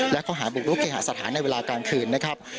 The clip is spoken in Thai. และข้อหาบุกรุกเคหาสถานในเวลากลางคืนนะครับ